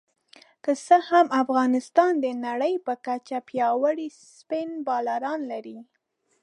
که څه هم افغانستان د نړۍ په کچه پياوړي سپېن بالران لري